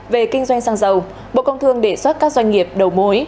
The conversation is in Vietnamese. về kinh doanh sang giàu bộ công thương đề xuất các doanh nghiệp đầu mối